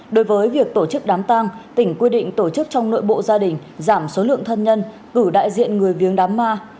đối với việc tổ chức đám tang tỉnh quy định tổ chức trong nội bộ gia đình giảm số lượng thân nhân cử đại diện người viếng đám ma